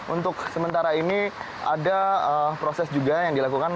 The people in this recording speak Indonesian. untuk sementara ini ada proses juga yang dilakukan